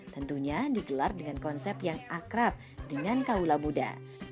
tentunya digelar dengan konsep yang akrab dengan kaula muda